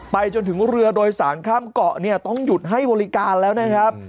ไปจนถึงเรือโดยสารข้ามเกาะเนี่ยต้องหยุดให้บริการแล้วนะครับ